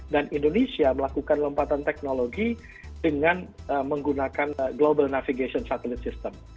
dan indonesia melakukan lempatan teknologi dengan menggunakan global navigation satellite system